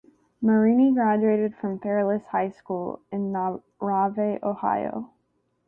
Marini graduated from Fairless High School in Navarre, Ohio.